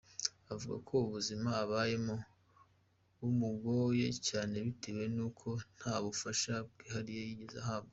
Avuga ko ubuzima abayemo bumugoye cyane bitewe n’uko nta bufasha bwihariye yigeze ahabwa.